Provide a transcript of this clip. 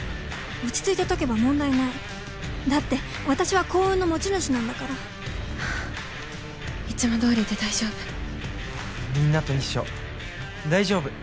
落ち着いて解けば問題ないだって私は幸運の持ち主なんだからはあいつもどおりで大丈夫みんなと一緒大丈夫